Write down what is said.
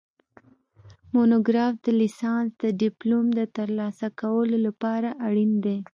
مونوګراف د لیسانس د ډیپلوم د ترلاسه کولو لپاره اړین دی